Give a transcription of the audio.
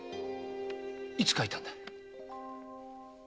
いつ書いたんだ？